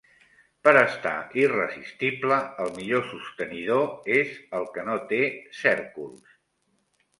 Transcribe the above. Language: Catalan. Per estar irresistible, el millor sostenidor és el que no té cèrcols.